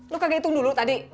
lo kayak hitung dulu tadi